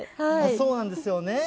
そうなんですよね。